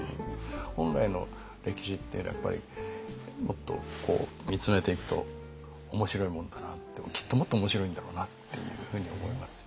本来の歴史っていうのはやっぱりもっと見つめていくと面白いもんだなってきっともっと面白いんだろうなっていうふうに思いますよね。